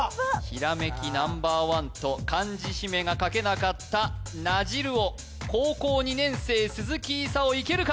ひらめきＮｏ．１と漢字姫が書けなかった「なじる」を高校２年生鈴木功夫いけるか？